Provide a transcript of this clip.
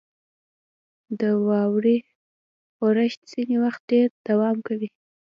• د واورې اورښت ځینې وخت ډېر دوام کوي.